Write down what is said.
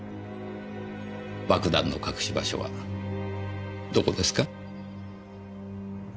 爆弾の隠し場所はどこですか？